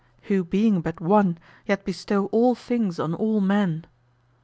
who being but one, yet bestow all things on all men.